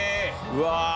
うわ。